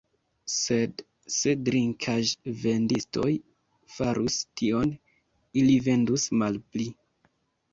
Sed se drinkaĵ-vendistoj farus tion, ili vendus malpli.